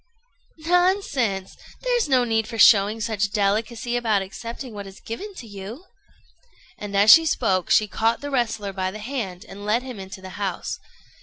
"] "Nonsense! There's no need for showing such delicacy about accepting what is given you." And as she spoke, she caught the wrestler by the hand and led him into the house.